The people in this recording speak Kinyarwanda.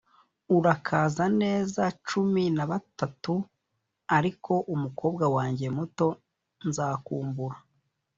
urakaza neza cumi na batatu, ariko umukobwa wanjye muto nzakumbura.